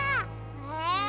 え？